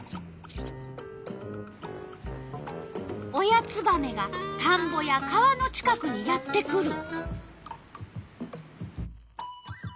親ツバメがたんぼや川の近くにやって来る。